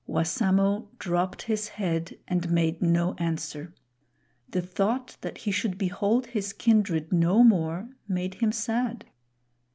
Wassamo dropped his head and made no answer. The thought that he should behold his kindred no more made him sad.